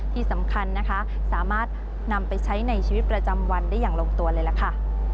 ที่สำคัญนะคะสามารถนำไปใช้ในชีวิตประจำวันได้อย่างลงตัวเลยล่ะค่ะ